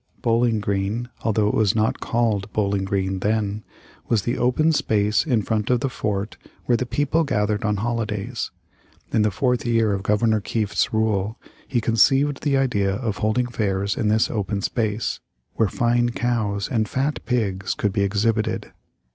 Bowling Green, although it was not called Bowling Green then, was the open space in front of the fort where the people gathered on holidays. In the fourth year of Governor Kieft's rule, he conceived the idea of holding fairs in this open space, where fine cows and fat pigs could be exhibited.